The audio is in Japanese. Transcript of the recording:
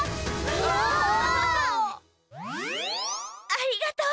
ありがとう！